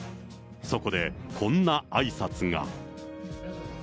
そこでこんなあいさつが。